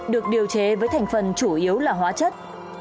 được điều chế với thành phần chủ yếu là hóa chất